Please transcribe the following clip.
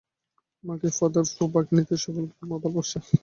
মাকে, father pope ও ভগিনীদের সকলকে আমার ভালবাসা।